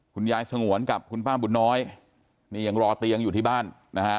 คุณยายสงวนกับคุณป้าบุญน้อยนี่ยังรอเตียงอยู่ที่บ้านนะฮะ